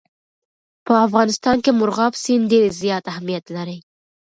په افغانستان کې مورغاب سیند ډېر زیات اهمیت لري.